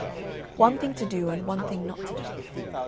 One thing to do, and one thing not to do.